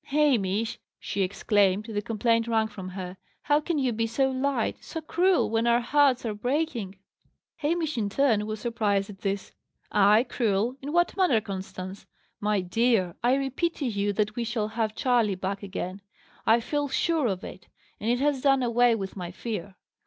"Hamish!" she exclaimed, the complaint wrung from her: "how can you be so light, so cruel, when our hearts are breaking?" Hamish, in turn, was surprised at this. "I, cruel! In what manner, Constance? My dear, I repeat to you that we shall have Charley back again. I feel sure of it; and it has done away with my fear.